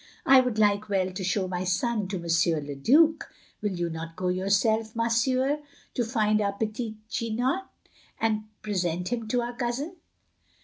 " I would like well to show my son to M. le Due. Will you not go yourself, ma soeur, to find our petit Jeannot, and present him to our cousin?"